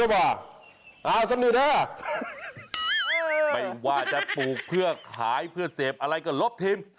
ไม่ว่าจะปลูกเพื่อขายเพื่อเสพอะไรก็ลบทิม